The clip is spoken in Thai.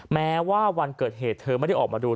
แม้ว่าวันเกิดเหตุเธอไม่ได้ออกมาดู